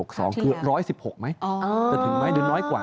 คือร้อยสิบหกไหมจะถึงไหมหรือน้อยกว่า